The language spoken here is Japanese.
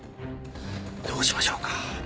どうしましょうか。